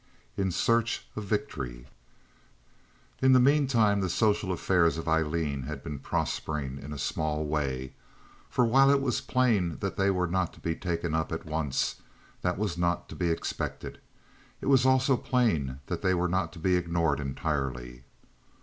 In Search of Victory In the mean time the social affairs of Aileen had been prospering in a small way, for while it was plain that they were not to be taken up at once—that was not to be expected—it was also plain that they were not to be ignored entirely.